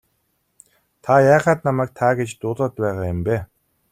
Та яагаад намайг та гэж дуудаад байгаа юм бэ?